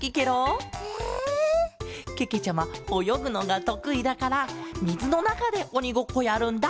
ちゃまおよぐのがとくいだからみずのなかでおにごっこやるんだ。